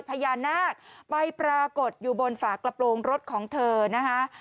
พญานาคไปปรากฏอยู่บนฝากระโปรงรถของเธอนะคะ